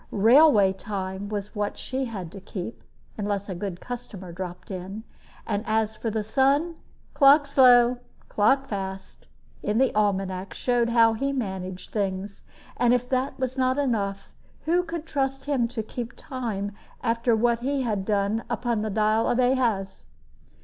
Railway time was what she had to keep (unless a good customer dropped in), and as for the sun "clock slow, clock fast," in the almanacs, showed how he managed things; and if that was not enough, who could trust him to keep time after what he had done upon the dial of Ahaz?